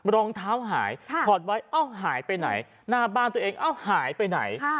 รองเท้าหายถอดไว้เอ้าหายไปไหนหน้าบ้านตัวเองเอ้าหายไปไหน